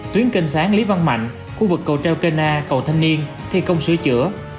tuyến kênh sáng lý văn mạnh khu vực cầu treo pena cầu thanh niên thi công sửa chữa